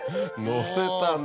のせたね。